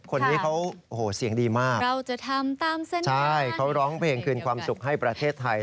คนนี้เขาโอ้โหเสียงดีมากเราจะทำตามเส้นทางใช่เขาร้องเพลงคืนความสุขให้ประเทศไทย